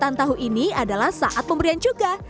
makanan tahu ini adalah saat pemberian cuka